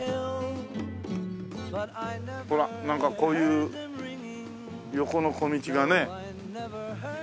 ほらなんかこういう横の小道がね。